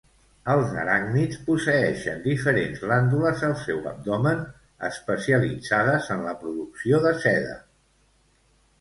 Els aràcnids posseeixen diferents glàndules al seu abdomen, especialitzades en la producció de seda.